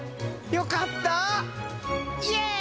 よかった！